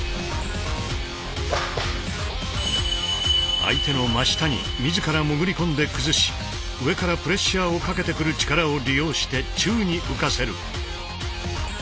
相手の真下に自ら潜り込んで崩し上からプレッシャーをかけてくる力を利用して宙に浮かせる。